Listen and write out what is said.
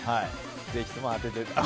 ぜひとも当てて。